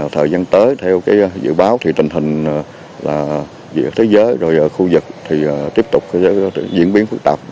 thời gian tới theo dự báo tình hình thế giới khu vực tiếp tục diễn biến phức tạp